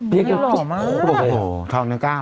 นี่หรอมากเลยนะครับโอ้โฮทองนี้ก้าว